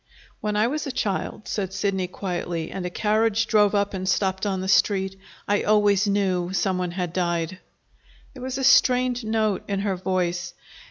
"When I was a child," said Sidney quietly, "and a carriage drove up and stopped on the Street, I always knew some one had died!" There was a strained note in her voice.